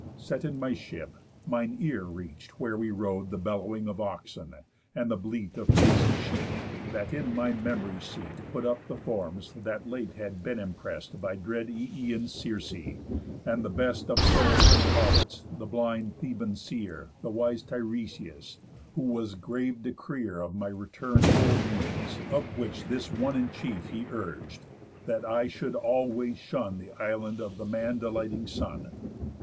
Set in my ship, mine ear reach'd where we rode The bellowing of oxen, and the bleat Of fleecy sheep, that in my memory's seat Put up the forms that late had been imprest By dread Ææn Circe, and the best Of souls and prophets, the blind Theban seer, The wise Tiresias, who was grave decreer Of my return's whole means; of which this one In chief he urg'd—that I should always shun The island of the man delighting Sun.